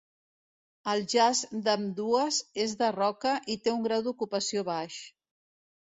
El jaç d'ambdues és de roca i té un grau d'ocupació baix.